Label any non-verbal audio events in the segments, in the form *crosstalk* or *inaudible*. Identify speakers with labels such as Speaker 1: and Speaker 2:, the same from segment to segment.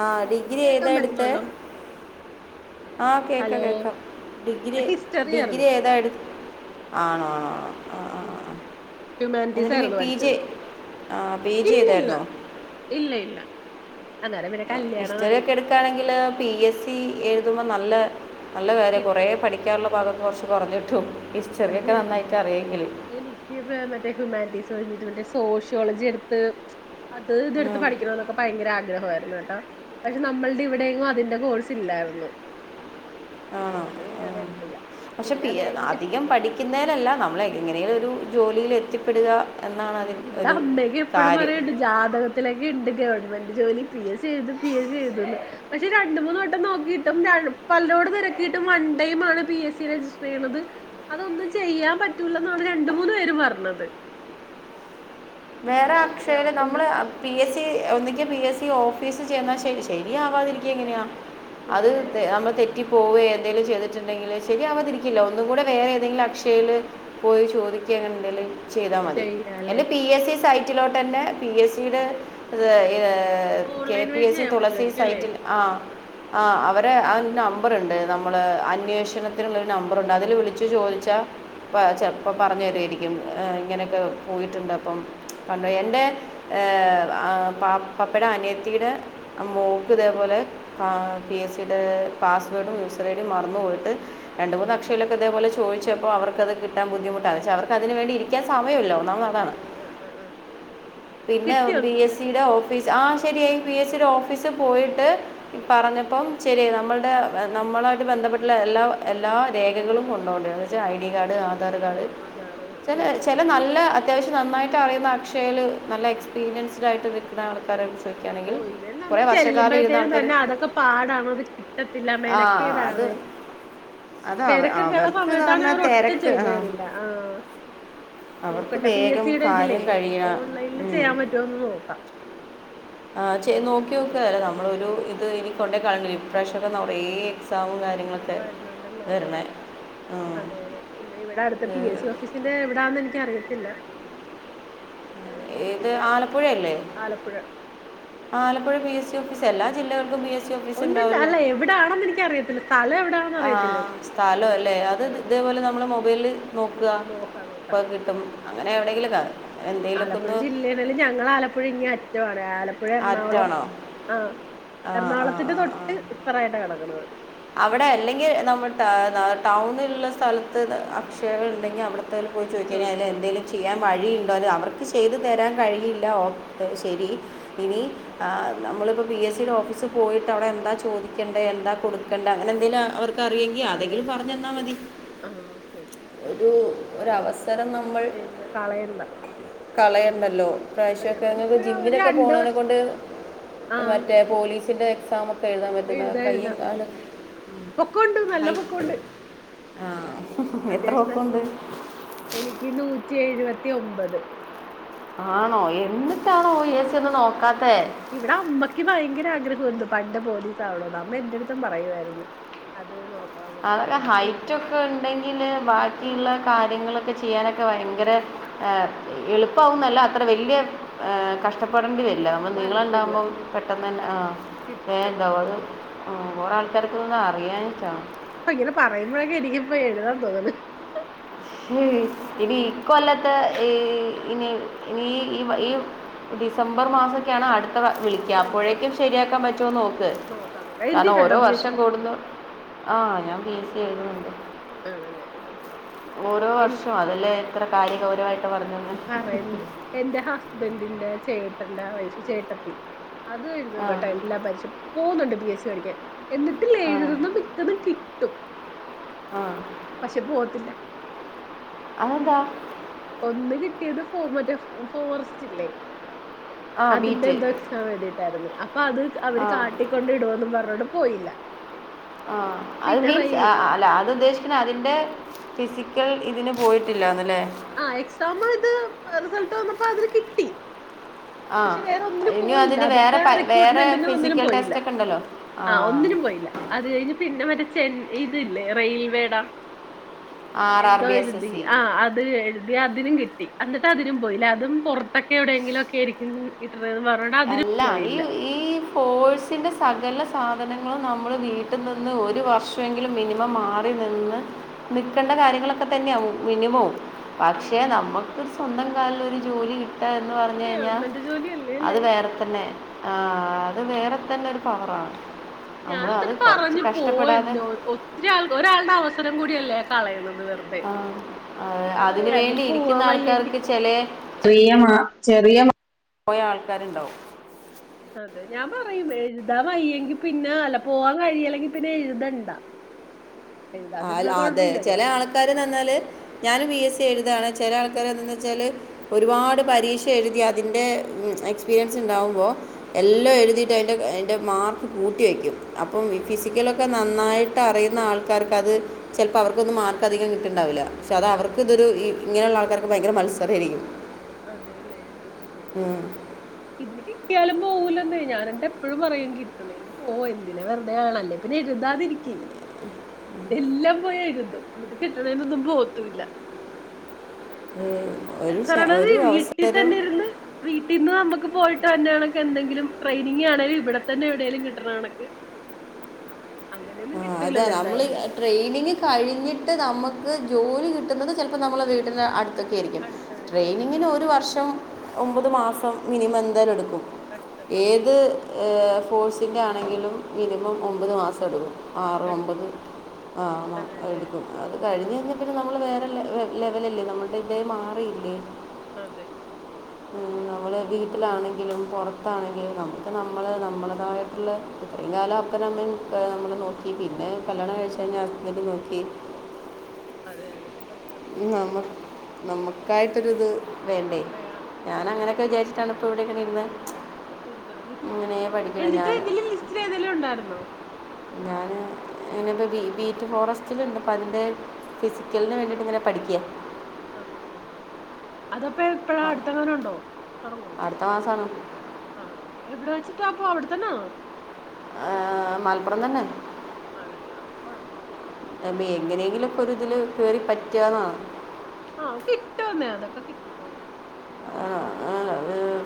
Speaker 1: ആ
Speaker 2: ഹലോ കേക്കാൻ
Speaker 1: ഡിഗ്രിയേതാ എടുത്തേ
Speaker 2: പറ്റുന്നുണ്ടോ
Speaker 1: ആ
Speaker 2: ഹലോ
Speaker 1: കേക്കാ കേക്കാം ഡിഗ്രി
Speaker 2: ഹിസ്റ്ററി
Speaker 1: ഡിഗ്രി
Speaker 2: ആയിരുന്നു
Speaker 1: ഏതാ ആണോ ആ ആ
Speaker 2: ഉം
Speaker 1: ആ
Speaker 2: ഹ്യൂമാനിറ്റീസ്
Speaker 1: എന്നിട്ട് പി
Speaker 2: ആയിരുന്നു
Speaker 1: പി ജി
Speaker 2: പഠിച്ചത്
Speaker 1: ആ പി ജി
Speaker 2: ഇല്ല ഇല്ല
Speaker 1: ചെയ്തായിരുന്നോ
Speaker 2: ഇല്ല ഇല്ല അന്നേരം പിന്നെ കല്യാണമായി
Speaker 1: ഹിസ്റ്ററിയൊക്കെ എടുക്കുകയാണെങ്കില് പി എസ് സി എഴ് ഇത്പ്പം നല്ലെ നല്ല കാര്യ കൊറേ
Speaker 2: കിട്ടും
Speaker 1: പഠിക്കാനുള്ള ഭാഗം കൊറച്ച് കൊറഞ്ഞിട്ടും
Speaker 2: അതെ എനിക്ക് വേ മറ്റേ ഹ്യുമാന്റീസ് *inaudible* സോഷ്യോളജി എടുത്ത് അത് ഇതെടുത്ത് പഠിക്കണന്നൊക്കെ ഭയങ്കര ആഗ്രഹായിരുന്നു ള്ളുട്ടൊ പക്ഷെ നമ്മള്ടെ ഇവിടെയങ്ങും അതിന്റെ കോഴ്സ് ഇല്ലായിര്ന്ന് അതുകൊണ്ട് പിന്നെ അത് എടുത്തില്ല പിന്നെ അത് കഴിഞ്ഞില്ല
Speaker 1: ക്ക്ന്നേനല്ല നമ്മളെ ഏത എങ്ങനെലൊരു ജോലിയില് എത്തിപ്പെടുക എന്നാണ് അതിൽ
Speaker 2: ഇവിടെ
Speaker 1: ഒരു
Speaker 2: അമ്മയൊക്കെ എപ്പഴും
Speaker 1: കാര്യം
Speaker 2: പറയേണ്ട് ജാതകത്തിലൊക്കെണ്ട് ഗവൺമെ ന്റ് ജോലി പി എസ്‌ സി എഴ്തും പി എസ് സി എഴുതൂന്ന് പക്ഷെ രണ്ട് മൂന്ന് വട്ടം നോക്കിട്ടും ഞാന് പലരോട് തെരക്കിട്ടും വൺ ടൈം ആണ് പി എസ്സി രജിസ്റ്റർ ചെയ്യണത് അതൊന്നും ചെയ്യാൻ പറ്റൂല്ലന്നാണ് രണ്ട് മൂന്ന് പേര് പറഞ്ഞത്
Speaker 1: വേറെ
Speaker 2: അതുകൊണ്ട് ഞാൻ
Speaker 1: അക്ഷയയില് നമ്മൾ
Speaker 2: പിന്നെ
Speaker 1: പിഎസ് സി ഒന്നെങ്കിൽ പി എസ് സി ഈ ഓഫീസിൽ ചെന്നാൽ ശ ശരി എങ്ങ അത്
Speaker 2: ഇല്ലല്ലേ
Speaker 1: നമ്മൾ തെറ്റി പോവ എന്തേങ്കലും ചെയ്തിട്ടുണ്ടെങ്കിൽ ശരിയാവതിരിക്കില്ലോ ഒന്നും കൂടെ വേറെ ഏതെങ്കിലും അക്ഷയയിൽ പോയി ചോദിക്കുക അങ്ങനെ ഉണ്ടേങ്കിൽ ചെയ്താൽ മതി
Speaker 2: ചെയ്യാല്ലേ
Speaker 1: എന്റെ പി എസ് സൈറ്റിലോട്ട് തന്നെ പി എസ് സിടെ കെ
Speaker 2: ഓൺലൈൻ
Speaker 1: പി
Speaker 2: വഴി
Speaker 1: എസ് സി
Speaker 2: ചെയ്യാൻ
Speaker 1: തുളസി
Speaker 2: പറ്റുമായിരിക്കും അല്ലേ
Speaker 1: സൈറ്റിൽ ആ ആ അവര് അതിന്റെ നമ്പറുണ്ട് നമ്മള് അന്വേഷണത്തിനുള്ള ഒരു നമ്പറുണ്ട് അതില് വിളിച്ചു ചോദിച്ചാ അ ചെപ്പോ പറഞ്ഞു തരരിക്കും ഉം ഇങ്ങനെയൊക്കെ പോയിട്ടുണ്ട് അപ്പം പണ്ട് എൻ്റെ പാ പാപ്പയുടെ അനിയത്തിയുടെ മോൾക്ക് ഇതേപോലെ പി എസ് സിടെ പാസ്വേർഡും യൂസറഐഡിയും മറന്നു പോയിട്ട് രണ്ട് മൂന്ന് അക്ഷയിലൊക്കെ ഇതേപോലെ ചോദിച്ചപ്പോൾ അവർക്കത് കിട്ടാൻ ബുദ്ധിമുട്ടാണ് പക്ഷേ അവർക്ക് അതിന് വേണ്ടിയിരിക്കാൻ സമയമില്ല ഒന്നാമത് അതാണ്
Speaker 2: സമയമില്ല ആ ആ
Speaker 1: പിന്നെ
Speaker 2: കിട്ടിയോ
Speaker 1: ബി
Speaker 2: എന്നിട്ടത്
Speaker 1: എസ്സി ടെ ഓഫീസ് ആഹ ശരിയായി പി എസ് സിടെ ഓഫീസിൽ പോയിട്ട് പറഞ്ഞപ്പം ശരി നമ്മളുടെ നമ്മളായിട്ട് ബന്ധപ്പെട്ടുള്ള എല്ലാ എല്ലാ രേഖകളും കൊണ്ടപോവണ്ടി വന്നു ഐഡിയ ആധാർ
Speaker 2: ആ
Speaker 1: കാർഡ്
Speaker 2: ആധാറ്
Speaker 1: ചില
Speaker 2: പ്രൂഫ്
Speaker 1: ചില
Speaker 2: എല്ലാം അല്ലേ
Speaker 1: നല്ല അത്യാവശ്യം നന്നായിട്ട് എനിക്കറിയുന്ന അക്ഷയയിൽ നല്ല എക്സ്പീരിയൻസ്ഡ് ആയിട്ട് നിൽക്കുന്ന ആൾക്കാര
Speaker 2: ഓ ഇവര് നമ്മള് ചെല്ലുമ്പോഴത്തേനും
Speaker 1: ആൾക്കാർ
Speaker 2: തന്നെ അതൊക്കെ പാടണ് അത് കിട്ടത്തില്ല
Speaker 1: ആ അത്
Speaker 2: മെനക്കേടാണ്
Speaker 1: അത് അവ-
Speaker 2: തെരെക്കൊക്കെള്ള
Speaker 1: അവർക്ക് എന്ന്
Speaker 2: സമയത്താണ്
Speaker 1: പറഞ്ഞാൽ
Speaker 2: അവർ ഒട്ടും
Speaker 1: തിരക്ക്
Speaker 2: ചെയ്ത്
Speaker 1: ആ,
Speaker 2: തരില്ല ആ
Speaker 1: അവർക്ക്
Speaker 2: നോക്കട്ടെ പി എസ്
Speaker 1: വേഗം
Speaker 2: സിടെ ഇതിലേ
Speaker 1: കാര്യം കഴിയണം
Speaker 2: ഓൺലൈനില്
Speaker 1: ഉം.
Speaker 2: ചെയ്യാൻ പറ്റോന്ന് നോക്കാം
Speaker 1: ആ ചെയ്തു നോക്കി
Speaker 2: എന്നാ ശരി
Speaker 1: നോക്കിയാതി നമ്മള ഒരു ഇത് ഇത് എനി കൊണ്ട കളഞ്ഞില്ലേ ഈ പ്രാവശ്യക്കെ നറയെ എക്സാമും കാര്യങ്ങളും
Speaker 2: വരണണ്ടല്ലേ
Speaker 1: ആ,
Speaker 2: അതെത പിന്നെ ഇവിടെ അടുത്ത പി എസ് സി ഓഫീസിന്റെ എവിടാന്ന് എനിക്കറിയത്തില്ല അത്
Speaker 1: ഏത്
Speaker 2: നോക്കിട്ട്
Speaker 1: ആലപ്പുഴയല്ലേ
Speaker 2: Alappuzha
Speaker 1: Alappuzha P A C എല്ലാ ജില്ലകൾക്കും പി എസ് സി ഓഫീസ്
Speaker 2: ഉണ്ട്ണ്ട്
Speaker 1: ഉണ്ടാവുമല്ലോ
Speaker 2: അല്ല എവിടൊണെന്ന് എനിക്കറിയത്തില്ല സ്ഥലം എവിടെ
Speaker 1: ആഹ സ്ഥല അല്ലേ അത് ഇതേപോലെ നമ്മള് മൊബൈല് നോക്കുക
Speaker 2: നോക്കാം
Speaker 1: അപ്പൊ
Speaker 2: നോക്കാം
Speaker 1: കിട്ടും അങ്ങനെ എവിടെങ്കും കാണും
Speaker 2: ആലപ്പുഴ ജില്ലയിലാണെങ്കിലും ഞങ്ങളാലപ്പു ഴ ഇങ്ങറ്റമാണ് ആലപ്പുഴ എറണാകുളം
Speaker 1: ആറ്റാണോ
Speaker 2: ആ
Speaker 1: ആ ആ
Speaker 2: എറണാകുളത്തിന്റെ
Speaker 1: ആ ആ
Speaker 2: തൊട്ട് ഇപ്പറായിട്ടാണ് കിടക്കണത്
Speaker 1: അവിടെ അല്ലെങ്കിൽ നമ്മൾ ടൗണുള്ള സ്ഥലത്ത് അക്ഷയകൾ ഉണ്ടെങ്കിൽ അവിടെ ത്തിൽ പോയി ചോദിക്ക
Speaker 2: ചോദിച്ചു നോക്കാം
Speaker 1: അതിൽഎന്തേലും ചെയ്യാൻ വഴി ഉണ്ടേൽ അവർ ചെയ്ത് തരാൻ കഴിയില്ല ഓ ക്കെ ശരി ഇനി ആ നമ്മളിപ്പം പി എസ് സിയുടെ ഓഫീസിൽ പോയിട്ട് അവിടെ എന്താ ചോദിക്കെണ്ടെ എന്താ കൊട് ക്കണ്ടെ അങ്ങനെ എന്തെലും ആ അവർ ക്ക് അറിയെങ്കി
Speaker 2: അറിയാൻ
Speaker 1: അതെങ്കിലും പറഞ്ഞെന്നാ
Speaker 2: പറ്റുമായിരിക്കും
Speaker 1: മതി
Speaker 2: ആഹ് ഓക്കെ ഓക്കെ
Speaker 1: ഒരു ഒരവസരം നമ്മൾ
Speaker 2: ശരി കളയണ്ട
Speaker 1: കളയണ്ടല്ലോ
Speaker 2: അതാ
Speaker 1: ഇപ്രാവശൊക്കെ
Speaker 2: ഞാനിപ്പോ
Speaker 1: അങ്ങ്
Speaker 2: ഒരു ഒരു
Speaker 1: ജിമ്മിലൊക്കെ
Speaker 2: രണ്ട്
Speaker 1: പോണേനെ
Speaker 2: വർഷം
Speaker 1: കൊണ്ട്
Speaker 2: ആ
Speaker 1: മറ്റേ പോലീസിന്റെ എക്സാം ഒ കെയറാൻ പറ്റുന്ന കയ്യും കാലും
Speaker 2: പൊക്കൊ ഉണ്ട് നല്ല
Speaker 1: ഹൈ
Speaker 2: പൊക്കൊ ഉണ്ട്
Speaker 1: ആ എത്ര
Speaker 2: അത്യാവശ്യം നല്ല
Speaker 1: ഒക്കുണ്ട്
Speaker 2: പൊക്കൊ ഉണ്ട് എനിക്ക് നൂറ്റി എഴുവെ ത്തി ഒമ്പത്
Speaker 1: ആണോ എന്നിട്ടാണോ ഏസി ഒന്നും നോക്കാ
Speaker 2: ഇവിടെ അമ്മക്ക് ഭയങ്കരാ ആഗ്രഹോ എന്തൊ പണ്ട് പോലീസ് ആവണോന്ന് അമ്മ എന്റെറ അട്ത്തും പറയുവായിര്ന്ന് അത് നോ
Speaker 1: അതൊക്കെ ഹൈറ്റ് ഒക്കെ ഇണ്ടെങ്കില് ബാക്കിയിള്ള
Speaker 2: ഉണ്ട്
Speaker 1: കാര്യങ്ങളൊക്കെ ചെയ്യാനൊക്കെ ക്കെ ഭയങ്കരെ എ എളുപ്പവുന്നല്ല അത്ര വല്യ കഷ്ടപ്പെടെണ്ടി വര് ഇല്ല നമ്മൾ
Speaker 2: വരത്തില്ല
Speaker 1: നീളണ്ടാവുമ്പം പെട്ടെന്നെന്നെ ആ വേം
Speaker 2: കിട്ടും
Speaker 1: ഇണ്ടാവും അത് ആ കൊറെ ആൾക്കാർക്കൊന്നും അറിയാൻഞ്ഞിട്ടാ
Speaker 2: പ്പ ഇങ്ങനെ പറയിമ്പഴൊക്കെ എനിക്കിപ്പ എഴുതാൻ തോന്നാ
Speaker 1: ശേ എടി ഇകൊല്ലത്തെ ഏ ഇനി ഇനി ഈ ഈ ഡിസംബർ മാസൊക്കെയാണ് അട് ത്തെ വിളിക്കാ
Speaker 2: വല്ലത്
Speaker 1: അപ്പോഴേക്കും ശരിയാക്കാൻ പറ്റൊ നോക്ക്
Speaker 2: നോക്കാം നോക്കാം
Speaker 1: കാരണം
Speaker 2: എഴുതിയിട്ടുണ്ടോ
Speaker 1: ഓരോ
Speaker 2: പി എസ്
Speaker 1: വർഷം
Speaker 2: സി
Speaker 1: കൂടും തോറും ആ ഞാൻ പി എസ് സി എഴുതുന്നുണ്ട്
Speaker 2: ആണല്ലേ ആ ആ
Speaker 1: ഓരോ വർഷും അതല്ലേ എത്ര കാര്യൊക്കെ വര് *unintelligible*
Speaker 2: പറയിണ്ട് എന്റെ ഹസ്ബെന്റിന്റെ ചേട്ടന്റെ ആ വെയ്ഫ് ചേട്ടത്തി അത് എഴുതും
Speaker 1: ആ
Speaker 2: കെട്ടാ എല്ലാ പരീഷ പോവുന്നുണ്ട് പി എസ് സി പഠിക്കാൻ എന്നിട്ടില്ലേ
Speaker 1: ആ
Speaker 2: എഴുതുന്ന മിക്കതും കിട്ടും
Speaker 1: ആ
Speaker 2: പക്ഷെ പോവത്തില്ല
Speaker 1: അതെന്താ
Speaker 2: ഒന്ന് കിട്ടിയത് ഫോ മറ്റേ ഫോറസ്റ്റ് ഇല്ലേ
Speaker 1: ആ
Speaker 2: അതിന്റെ
Speaker 1: ബീറ്റ്
Speaker 2: എന്തോ എക്സാം എഴുതിട്ടായിര്ന്ന് അപ്പൊ അത് അവര്
Speaker 1: ആ
Speaker 2: കാട്ടിക്കൊണ്ട് ഇടൊന്നും പറഞ്ഞോണ്ട് പോയില്ല
Speaker 1: ആ അഹ്
Speaker 2: പിന്നെ
Speaker 1: മീൻസ്
Speaker 2: റെയിൽ
Speaker 1: അല്ല അത് ഉദ്ദേശിക്ക്ണെ അതിന്റെ ഫിസിക്കൽ ഇതിന് പോയിട്ടില്ലാന്ന് ലെ
Speaker 2: ആ എക്സാം ഇത് പ് റിസൾട്ട് വന്നപ്പോ അതില് കിട്ടി
Speaker 1: ആ
Speaker 2: പക്ഷെ വേറെ ഒന്നിനും
Speaker 1: ഇനി
Speaker 2: പോയില്ല
Speaker 1: അതിന് വേറെ
Speaker 2: അതിന്റെ ആ
Speaker 1: പ- വേറെ
Speaker 2: റിക്രൂട്ട്മെന്റിന് ഒന്നിനും
Speaker 1: ഫിസിക്കൽ
Speaker 2: പോയില്ല
Speaker 1: ടെസ്റ്റ് ഒക്കെ ഉണ്ടല്ലോ
Speaker 2: ആ ഒന്നിനും പോയില്ല അത് കഴിഞ് പിന്നെ മറ്റേ ചെ ഈ ഇല്ലേ റെയിൽവേടെ
Speaker 1: ആർ ആർ
Speaker 2: എന്തോ
Speaker 1: ബി എസ് എസ്
Speaker 2: എഴുതി
Speaker 1: സി
Speaker 2: ആ അത് എഴുതി അതിനും കിട്ടി അ അതിനും പോയില്ല അതും പുറത്തൊക്കെ എവിടെയെങ്കിലുംക്കെ രിക്കും കിട്ടുവാ
Speaker 1: അല്ല ഈ ഈ ഫോഴ്സിന്റെ സകല സാധനങ്ങളും നമ്മള് വീട്ടിൽ നിന്ന് ഒരു വർഷമെങ്കിലും മിനിമം മാറി നിന്ന് നിൽക്കേണ്ട കാര്യങ്ങളൊക്കെ തന്നെയാണ് മിനിമവും പക്ഷെ
Speaker 2: ഉം.
Speaker 1: നമ്മുക്ക് സ്വന്തം കാലിൽ ഒരു ജോലി കിട്ടുവ കിട്ടുവ എന്ന് പറഞ്ഞു കഴിഞ്ഞാൽ
Speaker 2: ഗവൺമെന്റ് ജോലിയല്ലേ അല്ലേ
Speaker 1: അത് വേറെ തന്നെ ആഹ് അത് വേറെ തന്നെ ഒരു പവറാണ്
Speaker 2: ഞാൻ
Speaker 1: നമ്മൾ അത്
Speaker 2: എന്നിട്ട്
Speaker 1: കുറച്ച്
Speaker 2: പറഞ്ഞു പോയ
Speaker 1: കഷ്ടപ്പെടാതെ
Speaker 2: എന്തോ ഒത്തിരി ആൾക്ക് ഒരാളുടെ അവസരം സരം കൂടിയല്ലേ കളയുന്നത്
Speaker 1: ആഹ് അതെ അതിന്
Speaker 2: നീ
Speaker 1: വേണ്ടി ഇരിക്കുന്ന
Speaker 2: പോവാൻ
Speaker 1: ആൾക്കാർക്ക്
Speaker 2: വയ്യെങ്കിൽ
Speaker 1: വച്ചാല് പ്രീയമാ ചെറിയ മാർക്കിന് പോയ ആൾക്കാരുണ്ടാവും
Speaker 2: അതെ ഞാൻ പറയും എഴുതാൻ വയ്യെങ്കി പിന്നെ അല്ല പോവാൻ കഴില്ലെങ്കിൽ പിന്നെ എഴുതണ്ട
Speaker 1: ആഹ്
Speaker 2: എഴുതാതിരുന്ന
Speaker 1: അതെ പെല
Speaker 2: കുഴപ്പമില്ലല്ലോ
Speaker 1: ആൾക്കാര്ന്ന് പറഞ്ഞാല് ഞാന് പി എസ് സി സി എഴുതയാണ് ചില ആൾക്കാര് അത് ന്ന് വെച്ചാല് ഒരുപാട് പരീക്ഷ എഴുതി അതിൻ്റെ എക്സ്പീരിയൻസ് ഉണ്ടാകുമ്പോൾ എല്ലാം എഴുതിട്ട് അതിൻ്റെ അതിൻ്റെ മാർക്ക് കൂട്ടി വെക്കും അപ്പം ഈ ഫിസിക്കലൊക്കെ നന്ന നന്നായിട്ട് അറിയുന്ന ആൾക്കാർക്ക് അത് ചെലപ്പോ അവർക്കൊന്നും മാർക്ക് അധികം കിട്ടുണ്ടാവില്ല പക്ഷേ അത് അവർക്ക് ഇതൊരു ഇങ്ങനെയുള്ള ആൾക്കാർ ഭയങ്കര മത്സരമാരിക്കും
Speaker 2: അതെല്ലേ ആഹ് ഇതിന് കിട്ടി ഇതിന് കിട്ടിയാലും പോകലൂന്നേ ഞാന് എന്നിട്ട് എപ്പഴും പറയും കിട്ടണേന് പോ എന്തിനാ വെറുതെ എഴുതണെ അല്ലേ പിന്നെ എഴുതാതിരിക്കേ ഇതെല്ലാം പോയി എഴുതും എന്നിട്ട് കിട്ടണേനൊന്നും പോകത്തില്ല
Speaker 1: ഉം. ഒരു ശ-
Speaker 2: പറണത്
Speaker 1: ഒരു
Speaker 2: വീട്ടിൽ
Speaker 1: അവസരം
Speaker 2: തന്നെ ഇരുന്ന് വീട്ടിൽന്ന് നമ്മുക്ക് പോയിട്ട് വന്നെ കണക്കിന് എന്തെങ്കിലും ട്രെയിനിങ് ആണേലും ഇവിടെത്തന്നെ എവിടെലും കിട്ടണ കണക്ക് അങ്ങനെയൊന്നും
Speaker 1: ആഹ് അതെ
Speaker 2: കിട്ടൂലല്ലോ
Speaker 1: നമ്മള്
Speaker 2: എന്തായാലും
Speaker 1: ട്രെയിനിങ് കഴിഞ്ഞിട്ട് നമ്മക്ക് ജോലി കിട്ടുന്നത് ചിലപ്പോൾ നമ്മളെ വീടിൻ്റെ അടുത്ത് ത്തൊക്കെ ആയിരിക്കും
Speaker 2: അടുത്തെവിടേലും ആയിരിക്കും
Speaker 1: ട്രെയിനിങ്ങിന് ഒരു വർഷം ഒമ്പത് മാസം മിനിമം എന്തായാലും എടുക്കും
Speaker 2: കഷ്ടപ്പെടണം
Speaker 1: ഏത് അ് സ്പോട്സിൻ്റെ ആണെങ്കിലും മിനിമം ഒമ്പത് മാസം എടുക്കും. ആറ് ഒമ്പത്
Speaker 2: എടുക്കും
Speaker 1: ആണ അ
Speaker 2: അതെല്ലേ
Speaker 1: എടുക്കും അത് കഴിഞ്ഞ് പിന്ന പിന്നെ നമ്മള് വേറെ ലെവലല്ലേ നമ്മളുടെ ഇതേ മാറിയില്ലേ
Speaker 2: അതെ
Speaker 1: നമ്മള് വീട്ടിലാണെങ്കിലും പൊ റത്താണെങ്കിലും നമുക്ക് നമ്മള് നമ്മളേതായിട്ടുള്ള ഇത്രയും കാലം അപ്പന അമ്മ നമ്മള് നോ പിന്നെ കല്യാണം കഴിച്ച് കഴിഞ്ഞ് ഹസ്ബന്റ്നോക്കി
Speaker 2: അതതെ
Speaker 1: നമു നമുക്കായിട്ടൊരു ഇത് വേണ്ടേ
Speaker 2: വേണം
Speaker 1: ഞാൻ
Speaker 2: സത്യവാ സത്യം
Speaker 1: അങ്ങനെയൊക്കെ വിചാരിച്ചിട്ടാണ് അവിടെ എങ്ങന ഇരുന്നെ
Speaker 2: എഴുതണത് എഴുതിട്ട്
Speaker 1: ഞാൻ
Speaker 2: ഇതില് ലിസ്റ്റിൽ ഏതെലും ഉണ്ടായിരുന്നോ
Speaker 1: ഞാന് ഇങ്ങനെ ബീറ്റ് ഫോറസ്റ്റിലണ്ട് പ്പ അതിന്റെ ഫിസിക്കലിന് വേണ്ടിയിട്ട് ഇങ്ങനെ പഠിക്ക
Speaker 2: ആ ഹാ ആ ഹാ അതപ്പോ ഇപ്പഴാ അടുത്തങ്ങാനുണ്ടോ തൊടങ്ങോ
Speaker 1: അടുത്ത മാസമാണ്
Speaker 2: ആണോ എവിടെ വെച്ചിട്ടപ്പ അവിടു ആന്നോ
Speaker 1: ഏഹ മലപ്പുറം തന്നെ
Speaker 2: ആണല്ലേ അപ്പ കൊഴപ്പില്ല
Speaker 1: അ എങ്ങനെങ്കിലൊക്കെ ഒരിതില് കേറി പറ്റാന്നാണ്.
Speaker 2: ആഹ അവക്കിഷ്ടമാന്നേ അതൊക്കെ കിട്ടിക്കോളും
Speaker 1: ആ
Speaker 2: ടെൻഷനാവണ്ട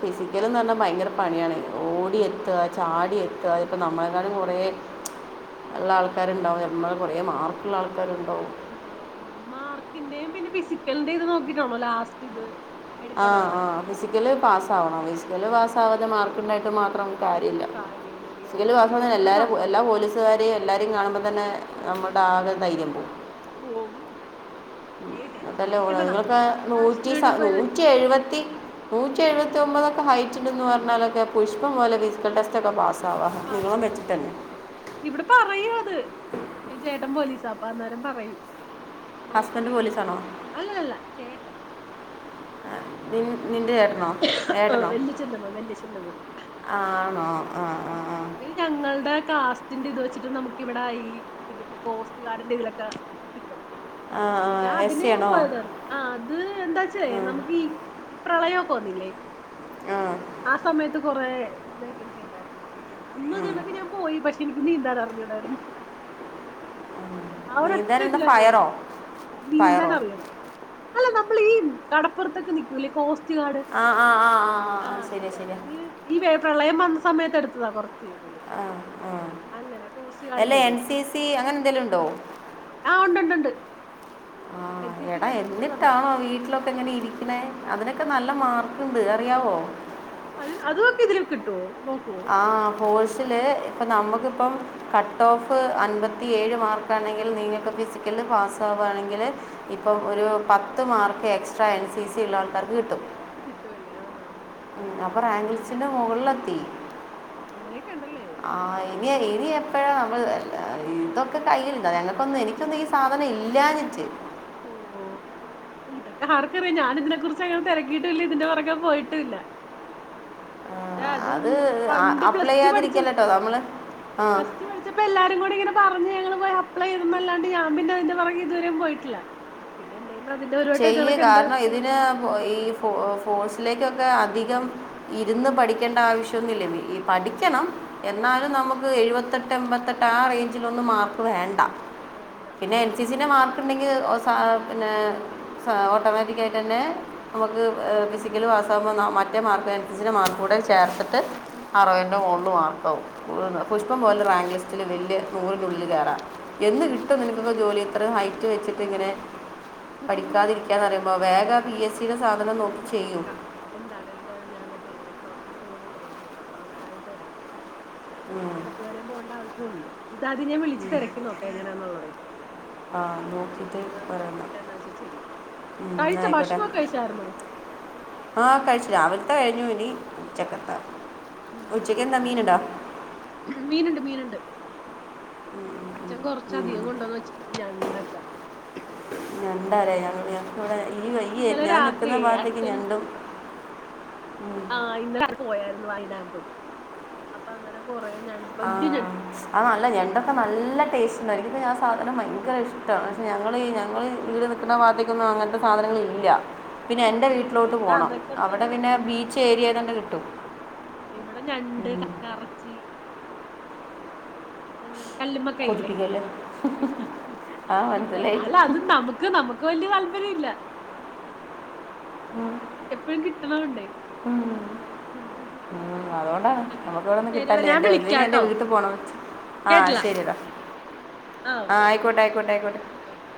Speaker 1: ഫിസിക്കല്ന്ന് പറഞ്ഞാ ഭയങ്കര പണിയണെ ഓടി എത്ത ചാടി എത്ത ഇപ നമ്മളെക്കാലും കുറ ഉള്ള ആൾക്കാരുണ്ടാവും നമ്മ കുറേ മാർക്കുള്ള ആൾക്കാരുണ്ടകും
Speaker 2: മാർക്കിന്റെയും പിന്നെ ഫിസിക്കലിന്റെ ഇത് നോക്കിട്ടാണോ ലാസ്റ്റ് ഇത്
Speaker 1: ആ
Speaker 2: എടുക്കണ ആളെ
Speaker 1: ആ ഫിസിക്കല് പാസ് ആവണം ഫിസിക്കല് പാസ്
Speaker 2: ഇതില്
Speaker 1: ആവാതെ മാർക്ക് ഉണ്ടായിട്ട് മാ കാര്യല്ല
Speaker 2: കാര്യമില്ലല്ലേ ഫിസിക്കലും കൂടെ
Speaker 1: എല്ലാരും എല്ലാ
Speaker 2: പാസ്സാവും
Speaker 1: പോലീസുകാരെയും എല്ലാരും കാണുമ്പ പിന്നെ നമ്മുടെ ആകെ ധൈര്യം പോവും
Speaker 2: പോകും ഏയ് ടെൻഷൻ
Speaker 1: അതല്ലേ ഓണ
Speaker 2: അടിക്കണ്ട
Speaker 1: നിങ്ങക്ക
Speaker 2: നമ്മള് നമ്മടെ
Speaker 1: നൂറ്റി
Speaker 2: ആവശ്യത്തിന് വേണ്ടി
Speaker 1: നൂറ്റി
Speaker 2: പോയതല്ലേ
Speaker 1: എഴുപത്തി നൂറ്റി എഴുപത്തി ഒമ്പത്ഒ ക്കെ ഹൈറ്റ് എ ന്ന് പറഞ്ഞാലൊക്കെ പുഷ്പം പോലെ ഫിസിക്കൽ ടെസ്റ്റക്കെ പാസ്സാവും
Speaker 2: പാസാവാൻ പറ്റും ഇവിടെ പറയൂ അത് ചേട്ടൻ പോലീസാ അപ്പ അന്നേരം പറയും
Speaker 1: ഹസ്ബൻഡ്
Speaker 2: നോക്കി
Speaker 1: പോലീസാണോ
Speaker 2: അല്ല അല്ല ചേട്ടൻ
Speaker 1: പിൻ നിന്റെ ഏട്ടനോ
Speaker 2: ആഹ്
Speaker 1: ഏട്ടനോ
Speaker 2: വല്യച്ഛന്റമ്മ വല്യച്ഛന്റമ്മ
Speaker 1: ആണോ ആ ആ
Speaker 2: ഞങ്ങളുടെ കാസ്റ്റ് ന്റെ ഇത് വെച്ചിട്ട് നമുക്ക് ഇവിടെ
Speaker 1: ആ
Speaker 2: ഞാൻ
Speaker 1: എസ്
Speaker 2: അതിനെ
Speaker 1: സി
Speaker 2: ഞാൻ
Speaker 1: ആണോ
Speaker 2: പോയത ആ അത് എന്താച്ചേ
Speaker 1: ഉം,
Speaker 2: നമ്മുക്ക് ഈ പ്രളയം പോന്നില്ലേ
Speaker 1: ആ
Speaker 2: ആ സമയത്ത് കൊറെ വേക്കൻസി ണ്ടരുന്നു അന്ന് ഇത്ണെങ്കിൽ ഞാൻ പോയി പക്ഷെ എനിക്ക് നീന്താൻ അറിഞ്ഞോടായിരുന്നു ആ
Speaker 1: നീ
Speaker 2: ഒരറ്റ
Speaker 1: എന്തായാലും എന്താ
Speaker 2: ഇതിലാ പോയത്
Speaker 1: ഫയറോ
Speaker 2: നീന്താൻ
Speaker 1: ഫയറോ
Speaker 2: അറിയാവ അല്ല നമ്മൾ ഈ കടപ്പുറത്തൊക്കെ നിക്കൂലെ
Speaker 1: ആ ആ ആ
Speaker 2: ആ
Speaker 1: ശരിയാ
Speaker 2: അതില്ല അതെ
Speaker 1: ശരിയാ
Speaker 2: ഈ പ്രളയം വന്ന് സമയത്ത് എടുത്തതാ കുറച്ച് ഇതില്
Speaker 1: ആഹ ആ
Speaker 2: അങ്ങനെ കോസ്റ്റ്
Speaker 1: അല്ല
Speaker 2: ഗാർഡിന്റെ
Speaker 1: എൻ
Speaker 2: ഇതില്
Speaker 1: സിസി അങ്ങനെ എന്തെലും ഉണ്ടോ
Speaker 2: ആ ഉണ്ട് ഉണ്ട് ഉണ്ട് എൻ
Speaker 1: ആഹ
Speaker 2: സി സിയിലും
Speaker 1: എടാ
Speaker 2: എൻ എസ് എസിലും ഉണ്ടായിരുന്നു
Speaker 1: എന്നിട്ടാണോ വീട്ടിലൊക്കെ എങ്ങനെ ഇരിക്കണേ അതിനൊക്കെ നല്ല മാർക്കുണ്ട് അറിയാവോ
Speaker 2: അ അതുമൊക്കെ ഇതിൽ കിട്ടുമോ
Speaker 1: ആഹ് ഹോഴ്സില് അപ്പം നമ്മുക്കിപ്പം കട്ട് ഓഫ് അൻപത്തിയേഴ് മാർക്കാണെങ്കിൽ നിങ്ങൾക്ക് ഫിസിക്കലിൽ പാസ് ആവുകയാണെങ്കിൽ ഇപ്പം ഒരു പത്ത് mark extra N C C ഉള്ള ആൾക്കാർക്ക് കിട്ടും
Speaker 2: കിട്ടുവല്ലേ ആഹ് ആഹ ആഹ്
Speaker 1: ഉ അപ്പൊ റാങ്ക് ലിസ്റ്റ്ന്റെ മുകളില മത്തി
Speaker 2: അങ്ങനെ
Speaker 1: ആഹ ഇനി ഇനി ഇപ്പോഴ നമ്മൾ ഇതൊക്കെ കയ്യിയിലുണ്ടാ ഞങ്ങൾക്കൊന്നും എനിക്കൊന്നും ഈ സാധനം ഇല്ലനിറ്റ്
Speaker 2: ഓ ഓ ഇതെക്കെ ആർക്കറിയാം ഞാൻ ഇതിനെ കുറിച്ച് അങ്ങനെ തിരക്കിയിട്ടും ഇല്ല ഇതിന്റെ പുറക്കെ പോയിട്ടുംല്ല
Speaker 1: ആ,
Speaker 2: ഇ അത് പണ്ട് പ്ലസ്
Speaker 1: അപ്ലൈ
Speaker 2: ടു പഠിച്ചത്
Speaker 1: ചെയ്യാതിരിക്കല്ലോ നമ്മൾ ആ
Speaker 2: പ്ലസ് ടു പഠിച്ചപ്പോ എല്ലാരും കൂടി ഇങ്ങനെ പറഞ്ഞ് ഞങ്ങള് പോ ല്ലാണ്ട് ഞാൻ പിന്നെ അതിന്റെ പിറകെ ഇതുവരെയും പോയിട്ടില്ല പി
Speaker 1: ചെയ്യേ കാരണം ഇതിന് ഈ ഫ ഫോസ് ത്തിലേക്കൊക്കെ അധികം ഇരുന്ന് പഠിക്കേണ്ട ആവശ്യമൊന്നുംമില്ല ഈ പഠിക്കണം എന്നാലും നമ്മുക്ക് എഴുപത്തെട്ട് എൺപത്തെട്ട് ആ റേഞ്ചിലൊന്ന് മാർക്ക് വേണ്ട
Speaker 2: വേണ്ട
Speaker 1: പിന്നെ
Speaker 2: ആഹ്
Speaker 1: എൻ സി സെ മാർക്ക് ഉണ്ടെങ്കിൽ പിന്നെ ഓട്ടോമാറ്റിക്ക് ആയിട്ട് തന്നെ നമ്മുക്ക് ഫിസിക്കല് പാസ്സ് ആകുമ്പോൾ മറ്റേ മാർക്ക് അനുസരിച്ചി മാർക്ക് കൂടെ ചേർത്തിട്ട് അറുവത്തിൻ്റെ മാർക്കാവും പുഷ്പം പോലെ റാങ്ക് ലിസ്റ്റില് വലിയ നൂറിനുള്ളിൽ കയറാം എന്ത് കിട്ടും നിനക്ക് ജോലി അത്ര ഹൈറ്റ് വെച്ചിട്ടിങ്ങനെ
Speaker 2: ആഹ്
Speaker 1: പഠിക്കാതിരിക്കാൻറിയുമ്പോ വേഗം ബി എസ് സിം
Speaker 2: നോക്ക എന്താണ് എന്തായാലും ഞാനത് എടുു ദിവസം ഫോണുണ്ട് പോഴത്തോട്ട് അപ്പൊ അന്നേരം അത് തിരക്കാം
Speaker 1: ഉം.
Speaker 2: ആലപ്പുഴ വര പോകേണ്ട ആവശ്യമുണ്ട് ഇതാദ്യം ഞാൻ വിളിച്ചച്ച് കരക്കി നോക്കെ എങ്ങനാന്നുള്ളത്
Speaker 1: ആഹ
Speaker 2: എന്നിട്ട് നോക്കിട്ട് എന്താച്ചാ ചെയ്യാം
Speaker 1: ഉം, എന്നാ
Speaker 2: തഴച്ച
Speaker 1: ആയിക്കോട്ടെ
Speaker 2: ഭക്ഷണംമോ കഴിച്ചായിരുന്നോ
Speaker 1: ആ കഴിച്ചു രാവിലത്തെ കഴിഞ്ഞു ഇനി ഉച്ചക്കത്ത
Speaker 2: ആഹ ശരി ശരി മീനണ്ട് മീനണ്ട് അച്ഛൻ കൊറച്ച അധികം കൊണ്ടോന്ന് വെച്ചിട്ടട്ട് രണ്ടക്ക
Speaker 1: എന്താ പററയ ഇവിടെ ഈ വയ്യേ
Speaker 2: ഇന്നലെ
Speaker 1: ഞാൻ നിക്കുന്ന
Speaker 2: രാത്രിയേ
Speaker 1: ഭാഗത്തേക്ക് ഞണ്ടും
Speaker 2: ആഹ ഇന്ന പോയായിരുന്നു വൈ ഡാൻ പോയി അപ്പൊ അന്നേരം കൊറേ ഞണ്ട് വല്യ
Speaker 1: ആഹ
Speaker 2: ഞണ്ടില്ലേ
Speaker 1: അത് നല്ല ഞണ്ടൊക്കെ നല്ല ടേസ്റ്റ് എനിക്ക് ഞാ സാധന ഭയങ്കര ഇഷ്ടമാണ് പക്ഷെ ഞങ്ങ ഞങ്ങള്ൾ വീട് നിക്കുന്ന ഭാഗത്തേക്കൊന്നും അങ്ങനത്തെ സാധനങ്ങളില്ല പിന്നെ എൻറെ
Speaker 2: കിട്ടും.
Speaker 1: വീട്ടിലോട്ട്
Speaker 2: ഇവിടെ
Speaker 1: പോണം
Speaker 2: അതൊക്കെ
Speaker 1: അവിടെ
Speaker 2: തന്നെ
Speaker 1: പിന്നെ
Speaker 2: ഉള്ളു
Speaker 1: ബീച്ച് ഏരിയ തന്നെ കിട്ടും
Speaker 2: ഇവിടെ ഞണ്ട് കറച്ചി അങ്ങ കല്ലമ്മ കൈല്ലേ
Speaker 1: കൊതിപ്പിക്കല്ലേ ആ
Speaker 2: ഇവിടെ
Speaker 1: മനസ്സിലായി
Speaker 2: അല്ല അത്ും നമുക്ക് നമുക്ക് വല്ിയ താല്പര്യ ഇല്ല എപ്പഴും കിട്ടണോണ്ടേ
Speaker 1: ഉ ഉ അതുകൊണ്ടാണ്
Speaker 2: അങ്ങനെ
Speaker 1: നമുക്ക് ഇവിടെൊന്നും
Speaker 2: ശരിയെടാ
Speaker 1: കിട്ടല്ലേ
Speaker 2: ഞാൻ
Speaker 1: എന്റെ ഒ എന്റെ
Speaker 2: വിളിക്കാട്ടോ
Speaker 1: വീട്ടിൽ പോണം ആഹ്
Speaker 2: കേട്ടില്ല
Speaker 1: ശരിയടാ
Speaker 2: ആ
Speaker 1: ആഹ
Speaker 2: ഓക്കെ ഓക്കെ
Speaker 1: ആയിക്കോട്ടെ ആയിക്കോട്ടെ ആയിക്കോട്ടെ
Speaker 2: ഓക്കെ